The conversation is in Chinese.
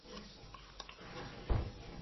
伟鬣兽的体型可以比美蒙古安氏中兽。